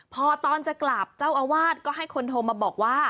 พอตอนจะกลับเจ้าอาวาสก็ให้คนโทรมาบอกว่า